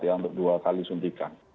yang sudah dua kali suntikan